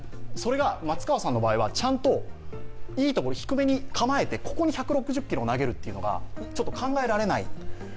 それが松川さんの場合は、ちゃんといいところ、低めに構えてここに１６０キロを投げるのが考えられない。